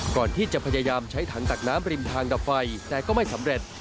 พยายามที่จะพยายามใช้ถังตักน้ำริมทางดับไฟแต่ก็ไม่สำเร็จ